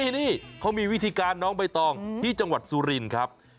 นี่เขามีวิธีการน้องใบตองที่จังหวัดสุรินครับ